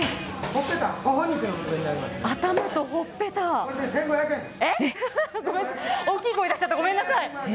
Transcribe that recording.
ごめんなさい、大きい声出しちゃった、ごめんなさい。